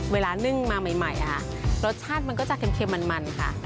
นึ่งมาใหม่รสชาติมันก็จะเค็มมันค่ะ